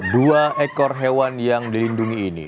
dua ekor hewan yang dilindungi ini